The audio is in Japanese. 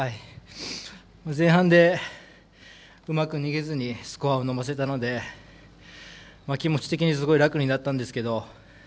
前半で、うまく逃げずにスコアを伸ばせたので気持ち的に、すごい楽になったんですけど。